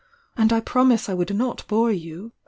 And I promise I would not bore you.